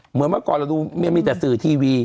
เหมือนเมื่อก่อนเราดูมีแต่สื่อทีวี